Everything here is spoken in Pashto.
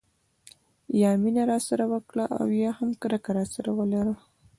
یا مینه راسره وکړه او یا هم کرکه راسره ولره.